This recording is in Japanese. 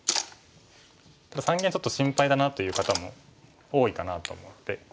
ただ三間ちょっと心配だなっていう方も多いかなと思って。